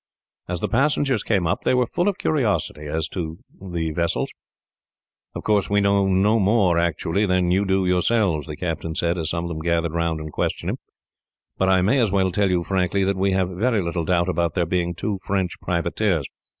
As the passengers came up, they were full of curiosity as to the vessels. "Of course, we know no more actually than you do yourselves," the captain said, as some of them gathered round and questioned him, "but I may as well tell you, frankly, that we have very little doubt about their being two French privateers.